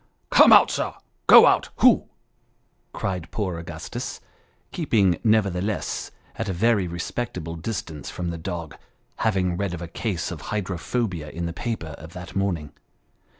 " Come out, sir ! go out, hoo !" cried poor Augustus, keeping nevertheless, at a very respectful distance from the dog ; having read of a case of hydrophobia in the paper of that morning.